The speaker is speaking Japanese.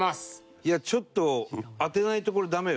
いやちょっと当てないとこれダメよ。